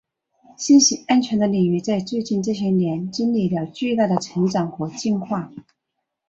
信息安全的领域在最近这些年经历了巨大的成长和进化。